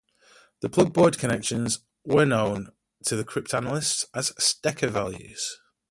The plugboard connections were known to the cryptanalysts as Stecker values.